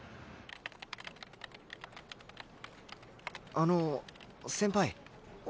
あの先輩。